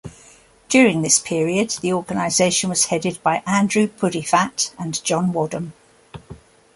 During this period, the organisation was headed by Andrew Puddephatt and John Wadham.